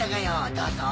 どうぞ。